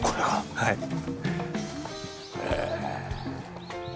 はい。